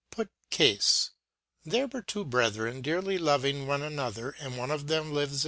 Put cafe there were two brethren dearly loving one another, and one of them lives